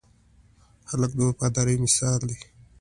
هلک د وفادارۍ مثال دی.